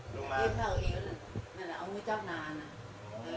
ข้างด้านนั้นหรอ